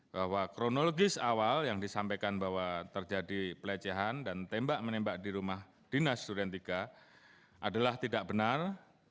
bahwa kronologis awal yang disampaikan bahwa terjadi pelecehan dan tembak menembak di rumah dinas duren tiga adalah tidak benar